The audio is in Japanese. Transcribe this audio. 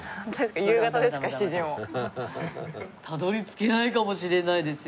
たどり着けないかもしれないですよ